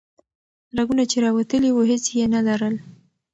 رګونه چې راوتلي وو هیڅ یې نه لرل.